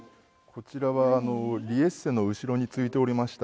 こちらはリエッセの後ろに付いておりました